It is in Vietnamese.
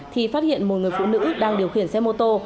thì phát hiện một người phụ nữ đang điều khiển xe mô tô